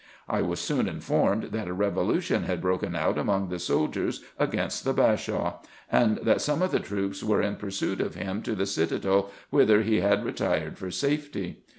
I was soon informed, that a revolution had broken out among the soldiers against the Bashaw, and that some of the troops were in pursuit of him to the citadel, whither he had retired for safety.